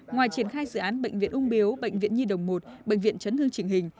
ngoài triển khai dự án bệnh viện úng biếu bệnh viện nhi đồng một bệnh viện trấn hương trình hình